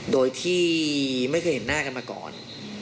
โดยที่ไม่เคยเห็นหน้ากันมาก่อน